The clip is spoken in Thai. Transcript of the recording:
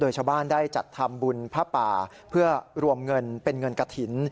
ชาวบ้านได้จัดทำบุญผ้าป่าเพื่อรวมเงินเป็นเงินกระถิ่น